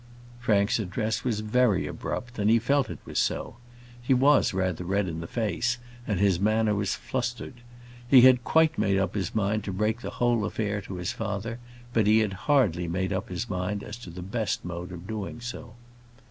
Frank's address was very abrupt, and he felt it was so. He was rather red in the face, and his manner was fluttered. He had quite made up his mind to break the whole affair to his father; but he had hardly made up his mind as to the best mode of doing so.